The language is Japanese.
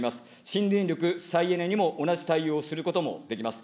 新電力・再エネにも同じ対応をすることもできます。